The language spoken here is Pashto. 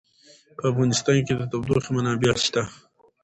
په افغانستان کې د تودوخه منابع شته.